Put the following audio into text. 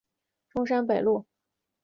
中山北路